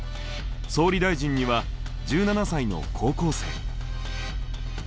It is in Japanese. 総理大臣には１７才の高校生。